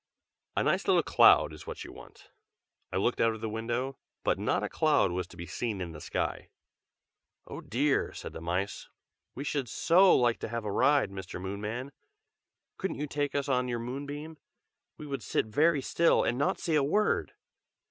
A nice little cloud is what you want." I looked out of the window, but not a cloud was to be seen in the sky. "Oh dear!" said the mice. "We should so like to have a ride, Mr. Moonman. Couldn't you take us on your moonbeam? we would sit very still, and not say a word!"